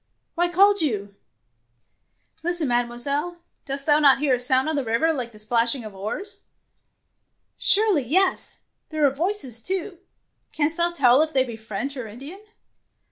Why called you ?" Listen, Mademoiselle ! Dost thou not hear a sound on the river like the splashing of oars? "'' Surely yes ; there are voices too. Canst thou tell if they be French or Indian?